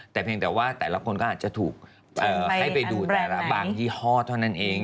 แต่เพียงแต่ว่าแต่ละคนก็อาจจะถูกให้ไปดูแต่ละบางยี่ห้อเท่านั้นเอง